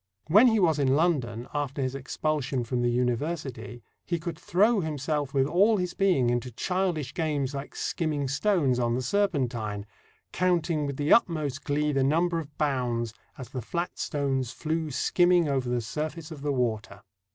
When he was in London after his expulsion from the University, he could throw himself with all his being into childish games like skimming stones on the Serpentine, "counting with the utmost glee the number of bounds, as the flat stones flew skimming over the surface of the water."